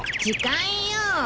時間よ。